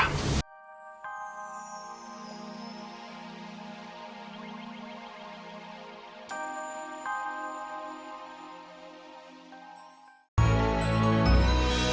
julius untuk dia pengawin papi mia